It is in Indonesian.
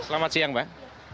selamat siang pak